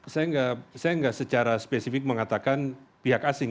saya enggak saya enggak secara spesifik mengatakan pihak asing